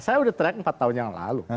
saya sudah track empat tahun yang lalu